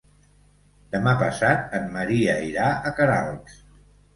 Demà passat en Maria irà a Queralbs.